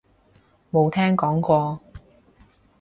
冇聽講過